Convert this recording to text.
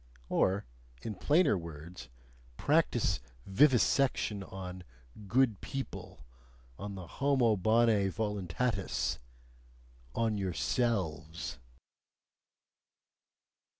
Or, in plainer words, practise vivisection on "good people," on the "homo bonae voluntatis," ON YOURSELVES!